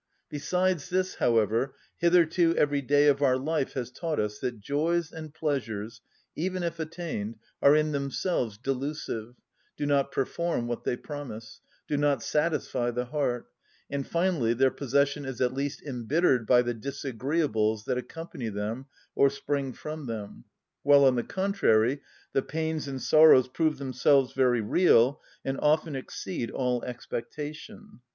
Besides this, however, hitherto every day of our life has taught us that joys and pleasures, even if attained, are in themselves delusive, do not perform what they promise, do not satisfy the heart, and finally their possession is at least embittered by the disagreeables that accompany them or spring from them; while, on the contrary, the pains and sorrows prove themselves very real, and often exceed all expectation.